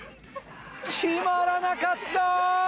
決まらなかった！